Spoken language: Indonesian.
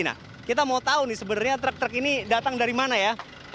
nah kita mau tahu nih sebenarnya truk truk ini datang dari mana ya